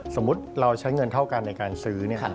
สมมุติเราใช้เงินเท่ากันในการซื้อ